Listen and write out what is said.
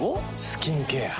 スキンケア。